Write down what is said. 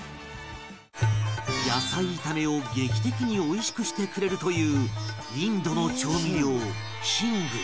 野菜炒めを劇的においしくしてくれるというインドの調味料ヒング